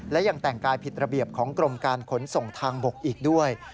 และยังแต่งกายผิดระเบียบของกรมการขนส่งทางบกอีกด้วย